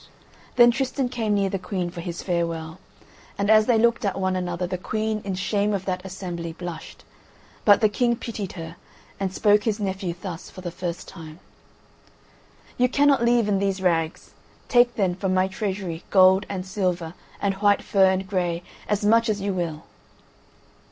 Then Tristan came near the Queen for his farewell, and as they looked at one another the Queen in shame of that assembly blushed, but the King pitied her, and spoke his nephew thus for the first time: "You cannot leave in these rags; take then from my treasury gold and silver and white fur and grey, as much as you will."